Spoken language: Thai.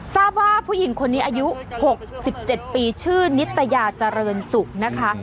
ทราบว่าผู้หญิงคนนี้อายุ๖๗ปีชื่อนิตยาเจริญสุขนะคะ